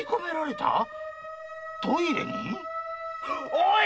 おい！